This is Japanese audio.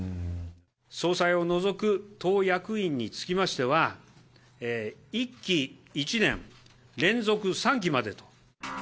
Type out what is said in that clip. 総裁を除く党役員につきましては、１期１年連続３期までと。